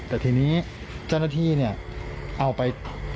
แต่ทีนี้เจ้าหน้าที่เอาไป